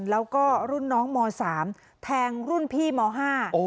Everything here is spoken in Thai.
แล้วก็รุ่นน้องม๓แทงรุ่นพี่รุ่นพี่ม๕